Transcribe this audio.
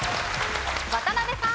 渡辺さん。